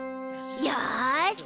よし！